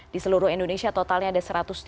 di seluruh indonesia totalnya ada satu ratus tiga puluh